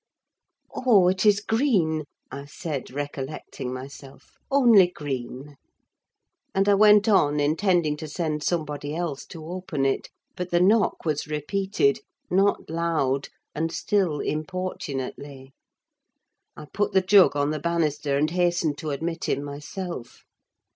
"Oh! it is Green," I said, recollecting myself—"only Green," and I went on, intending to send somebody else to open it; but the knock was repeated: not loud, and still importunately. I put the jug on the banister and hastened to admit him myself.